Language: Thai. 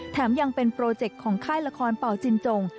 แถมยังเป็นโปรเจคของค่ายละครเป่าจินจง